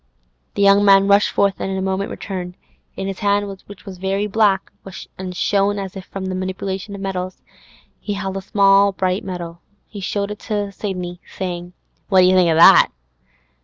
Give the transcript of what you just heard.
The young man rushed forth, and in a moment returned. In his hand, which was very black, and shone as if from the manipulation of metals, he held a small bright medal. He showed it to Sidney, saying, 'What d'you think o' that?